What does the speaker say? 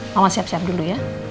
mama siap siap dulu ya